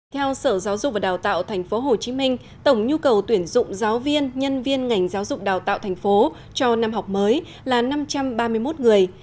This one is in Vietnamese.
theo sở giáo dục và đào tạo tp hcm tổng nhu cầu tuyển dụng giáo viên nhân viên ngành giáo dục đào tạo tp cho năm học mới là năm trăm ba mươi một người